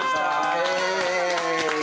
イエーイ。